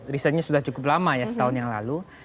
risetnya sudah cukup lama ya setahun yang lalu